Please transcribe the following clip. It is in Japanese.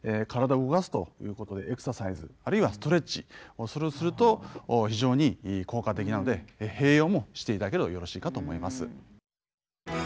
体を動かすということでエクササイズあるいはストレッチをするようにすると非常に効果的なので併用もしていただければよろしいかと思います。